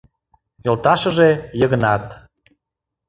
Йолташыже Йыгнат.